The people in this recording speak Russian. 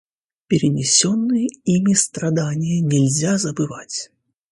Перенесенные ими страдания нельзя забывать.